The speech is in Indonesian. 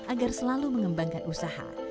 agar selalu mengembangkan usaha